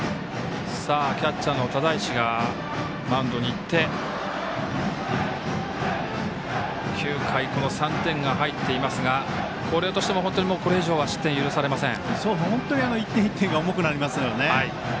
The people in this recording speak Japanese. キャッチャーの只石がマウンドに行って９回、この３点が入っていますが広陵としても、これ以上は本当に１点１点が重くなりますのでね。